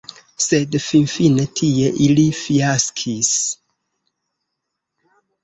Sed finfine tie ili fiaskis.